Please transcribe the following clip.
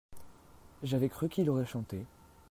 j'avais cru qu'il aurait chanté.